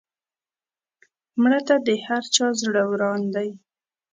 مړه ته د هر چا زړه وران دی